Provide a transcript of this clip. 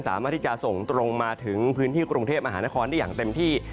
สามารถที่จะส่งตรงมาถึงพื้นที่กรุงเทพมหานครได้อย่างเต็มที่